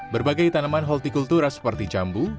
berbagai tanaman holtikultura seperti jambu